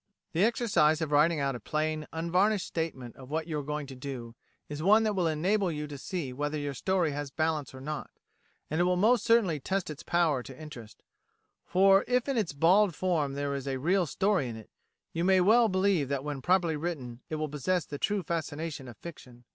The exercise of writing out a plain, unvarnished statement of what you are going to do is one that will enable you to see whether your story has balance or not, and it will most certainly test its power to interest; for if in its bald form there is real story in it, you may well believe that when properly written it will possess the true fascination of fiction.